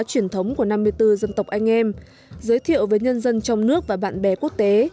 truyền thống của năm mươi bốn dân tộc anh em giới thiệu với nhân dân trong nước và bạn bè quốc tế